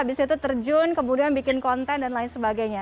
abis itu terjun kemudian bikin konten dan lain sebagainya